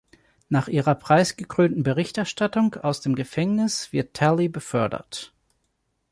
Nach ihrer preisgekrönten Berichterstattung aus dem Gefängnis wird Tally befördert.